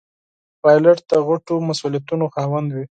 پیلوټ د غټو مسوولیتونو خاوند وي.